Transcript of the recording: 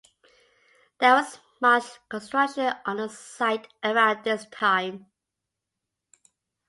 There was much construction on the site around this time.